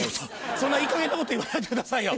そんないいかげんなこと言わないでくださいよ！